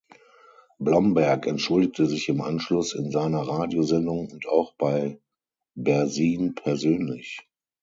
Blomberg entschuldigte sich im Anschluss in seiner Radiosendung und auch bei Bersin persönlich.